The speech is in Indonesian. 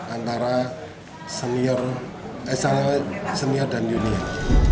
antara senior dan junior